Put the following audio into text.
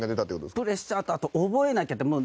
プレッシャーと、あと覚えなきゃって。